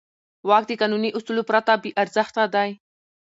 واک د قانوني اصولو پرته بېارزښته دی.